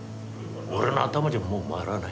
俺の頭じゃもう回らない。